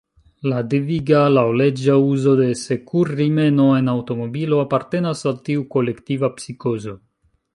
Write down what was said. La deviga, laŭleĝa uzo de sekur-rimeno en aŭtomobilo apartenas al tiu kolektiva psikozo.